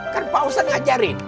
kan pak ustaz ngajarin